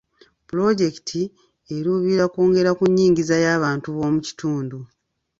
Pulojekiti eruubirira kwongera ku nnyingiza y'abantu b'omu kitundu.